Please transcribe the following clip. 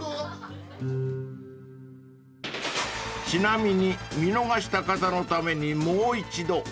［ちなみに見逃した方のためにもう一度］